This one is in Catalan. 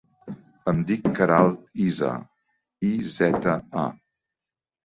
Em dic Queralt Iza: i, zeta, a.